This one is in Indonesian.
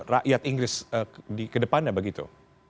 rakyat inggris di kedepannya begitu